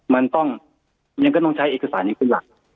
มันต้องยังก็ต้องใช้เอกสารอย่างคือหลัก